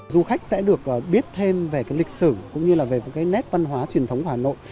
du khách sẽ được biết thêm về cái lịch sử cũng như là về cái nét văn hóa truyền thống của hà nội